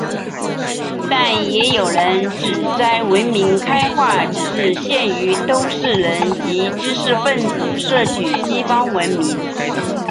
但也有人指摘文明开化只是限于都市人及知识分子摄取西方文明。